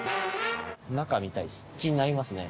中見たいですね。